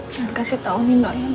jangan kasih tau ini nolong